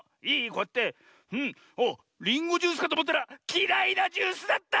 こうやっておっリンゴジュースかとおもったらきらいなジュースだった！